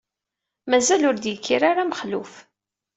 Mazal ur d-yekkir ara Mexluf.